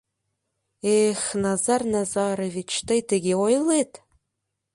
Эх, Назар Назарович, тый тыге ойлет?